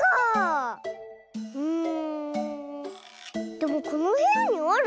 でもこのへやにある？